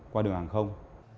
qua đường hàng không